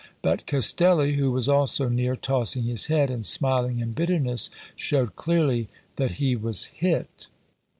But Castelli, who was also near, tossing his head and smiling in bitterness, showed clearly that he was hit."